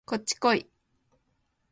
こっちこい